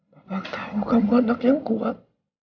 papa tau kamu anak yang kuat